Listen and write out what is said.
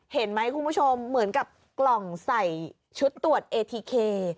เห็นไหมคุณผู้ชมเหมือนกับกล่องใส่ชุดตรวจเอทีเค